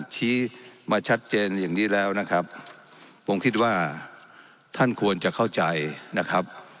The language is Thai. ชี้มาชัดเจนอย่างนี้แล้วนะครับผมคิดว่าท่านควรจะเข้าใจนะครับ